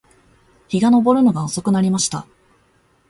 日が登るのが遅くなりました